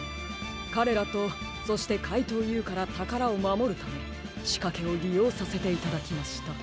かれらとそしてかいとうＵからたからをまもるためしかけをりようさせていただきました。